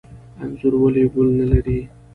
انځر ولې ګل نلري؟